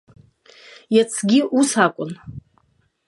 Иацгьы ус акәын.